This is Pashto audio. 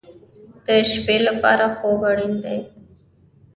د شپې لپاره خوب اړین دی